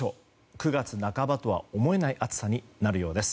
９月半ばとは思えない暑さになるようです。